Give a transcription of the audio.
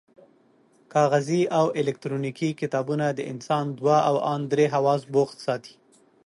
کاغذي او الکترونیکي کتابونه د انسان دوه او ان درې حواس بوخت ساتي.